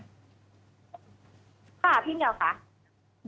ค่ะพี่นิดเดียวค่ะ